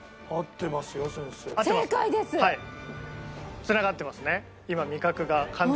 つながってますね。